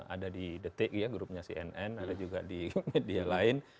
ada di detik ya grupnya cnn ada juga di media lain